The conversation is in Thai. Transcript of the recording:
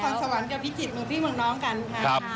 สวรรค์กับพิจิตรเมืองพี่เมืองน้องกันค่ะ